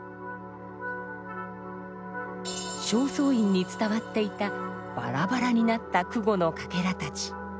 正倉院に伝わっていたバラバラになった箜篌のかけらたち。